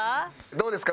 どうですか？